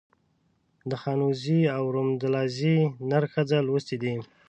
د خانوزۍ او رودملازۍ نر ښځه لوستي دي.